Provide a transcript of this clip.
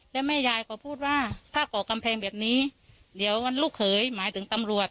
แล้วแม่ยายเขาพูดว่าถ้าก่อกำแพงแบบนี้เดี๋ยวลูกเขยหมายถึงตำรวจ